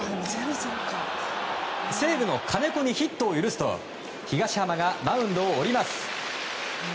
西武の金子にヒットを許すと東浜がマウンドを降ります。